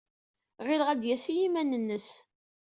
Ɣileɣ ad d-yas i yiman-nnes.